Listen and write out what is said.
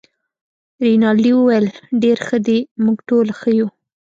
رینالډي وویل: ډیر ښه دي، موږ ټوله ښه یو.